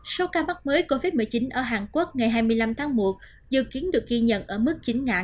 số ca mắc mới covid một mươi chín ở hàn quốc ngày hai mươi năm tháng một dự kiến được ghi nhận ở mức chín